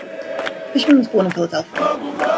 Fishman was born in Philadelphia.